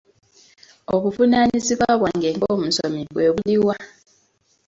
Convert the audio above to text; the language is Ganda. Obuvunaanyizibwa bwange ng'omusomi bwe buli wa?